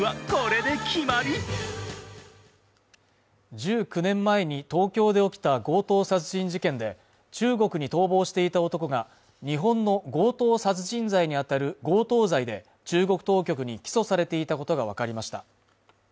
１９年前に東京で起きた強盗殺人事件で中国に逃亡していた男が日本の強盗殺人罪にあたる強盗罪で中国当局に起訴されていたことが分かりました